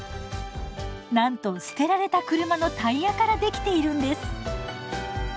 なんと捨てられた車のタイヤからできているんです！